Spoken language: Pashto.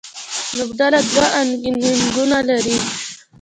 لوبډله دوه انینګونه لري.